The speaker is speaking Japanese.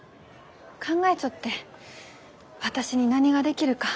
考えちょって私に何ができるか。